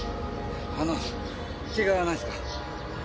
あのケガないすか？